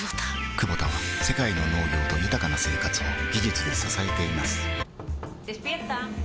クボタは世界の農業と豊かな生活を技術で支えています起きて。